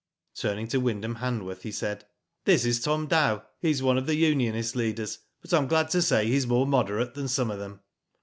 Turning to Wyndham Hanworth, he said: "This is Tom Dow. He is one of the unionist leaders, but Pm glad to say he is more moderate than some of them."